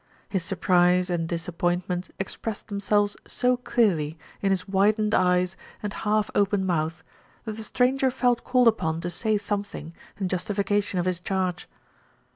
His surprise and disappointment expressed themselves so clearly in his widened eyes and half open mouth, that the stranger felt called upon to say some thing in justification of his charge.